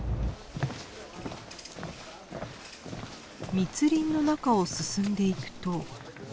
密林の中を進んでいくと。